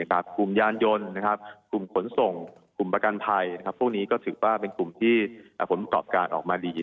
กลุ่มยานยนต์กลุ่มขนส่งกลุ่มประกันภัยพวกนี้ก็ถือว่าเป็นกลุ่มที่ผลประกอบการออกมาดี